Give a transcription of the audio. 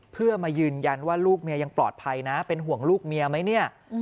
เพื่อมายืนยันว่าลูกเมียยังปลอดภัยนะเป็นห่วงลูกเมียไหมเนี่ย